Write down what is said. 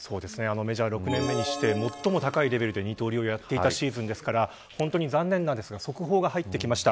メジャー６年目にして最も高いレベルでやっていたシーズンですから本当に残念ですが速報が入ってきました。